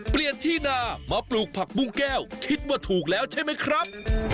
เปลี่ยนที่นามาปลูกผักบุ้งแก้วคิดว่าถูกแล้วใช่ไหมครับ